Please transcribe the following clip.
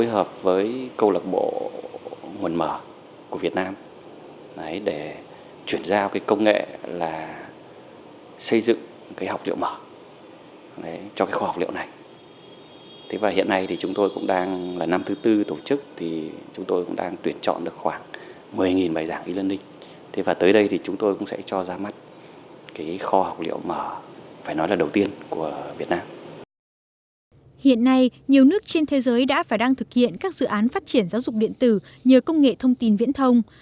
hiện nay nhiều nước trên thế giới đã và đang thực hiện các dự án phát triển giáo dục điện tử nhờ công nghệ thông tin viễn thông